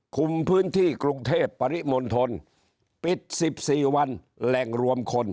คุมพื้นที่กรุงเทพปริมณฑลปิด๑๔วันแหล่งรวมคน